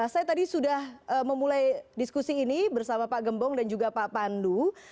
saya tadi sudah memulai diskusi ini bersama pak gembong dan juga pak pandu